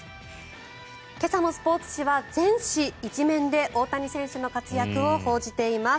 今朝のスポーツ紙は全紙１面で大谷選手の活躍を報じています。